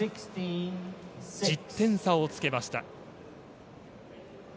１０点差をつけました。